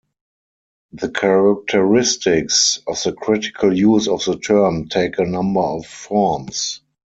The characteristics of the critical use of the term take a number of forms.